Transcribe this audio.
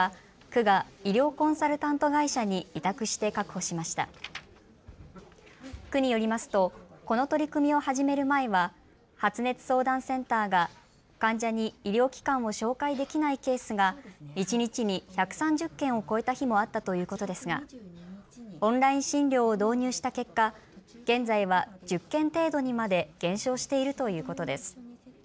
区によりますと、この取り組みを始める前は発熱相談センターが患者に医療機関を紹介できないケースが一日に１３０件を超えた日もあったということですがオンライン診療を導入した結果現在は１０件程度にまで減少しているということです。